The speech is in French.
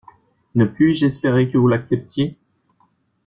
Ne puis-je espérer que vous l'acceptiez!